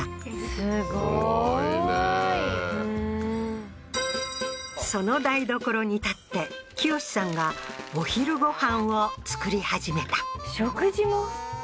すごーいすごいねうーんその台所に立って清司さんがお昼ご飯を作り始めた食事も？